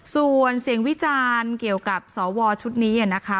ส่วนเสียงวิจารณ์เกี่ยวกับสวชุดนี้นะคะ